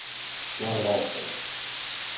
Not at all, sir.